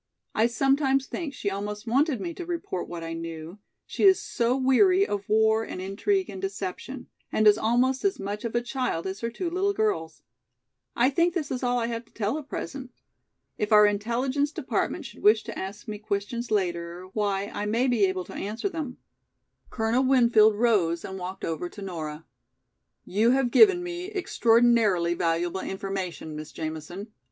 I sometimes think she almost wanted me to report what I knew, she is so weary of war and intrigue and deception, and is almost as much of a child as her two little girls. I think this is all I have to tell at present. If our Intelligence Department should wish to ask me questions later, why I may be able to answer them." Colonel Winfield rose and walked over to Nora. "You have given me extraordinarily valuable information, Miss Jamison.